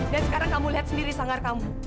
dan sekarang kamu lihat sendiri sanggar kamu